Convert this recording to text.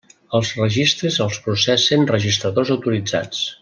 Els registres els processen registradors autoritzats.